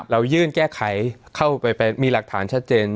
เรายื่นแก้ไขเข้าไปมีหลักฐานชัดเจน